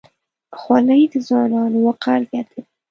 خولۍ د ځوانانو وقار زیاتوي.